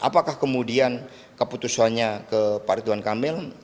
apakah kemudian keputusannya ke rituan kamil